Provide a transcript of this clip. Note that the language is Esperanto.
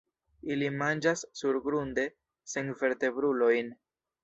Ili manĝas surgrunde senvertebrulojn.